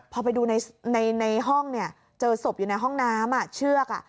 พอไปดูในห้องเนี่ยเจอศพอยู่ในห้องน้ำเชือก